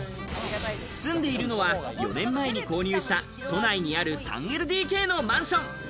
住んでいるのは４年前に購入した都内にある３ＬＤＫのマンション。